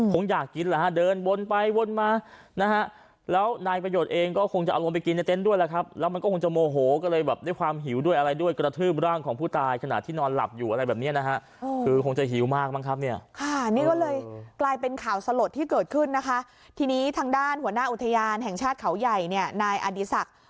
คงอยากกินแหละฮะเดินวนไปวนมานะฮะแล้วนายประโยชน์เองก็คงจะเอาลงไปกินในเต็นต์ด้วยแหละครับแล้วมันก็คงจะโมโหก็เลยแบบด้วยความหิวด้วยอะไรด้วยกระทืบร่างของผู้ตายขณะที่นอนหลับอยู่อะไรแบบเนี้ยนะฮะคือคงจะหิวมากมั้งครับเนี่ยค่ะนี่ก็เลยกลายเป็นข่าวสลดที่เกิดขึ้นนะคะทีนี้ทางด้านหัวหน้าอุทยานแห่งชาติเขาใหญ่เนี่ยนายอดีศักดิ์